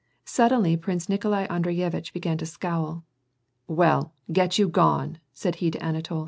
Suddenly Prince Nikolai Andreyevitch began to scowl. " Well, get you gone," said he to Anatol.